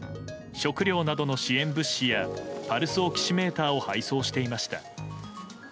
食料などの支援物資やパルスオキシメーターを配送していました。